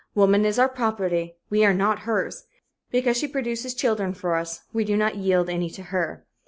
"Woman is our property, we are not hers, because she produces children for us we do not yield any to her.